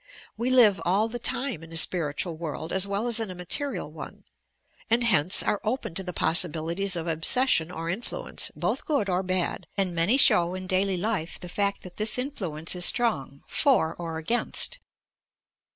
We live all the time in a spiritual world as well as in a material one, and hence are open to the possibilities of obsession or influence, both good or bad, and many show in daily life the fact that this influence is strong, for or agaiust.